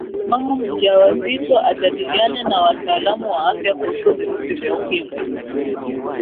mama mjawazito ajadiliane na wataalamu wa afya kuhusu virusi vya ukimwi